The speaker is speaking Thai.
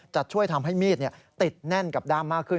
จะช่วยทำให้มีดติดแน่นกับด้ามมากขึ้น